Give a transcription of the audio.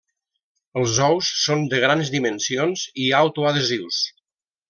Els ous són de grans dimensions i autoadhesius.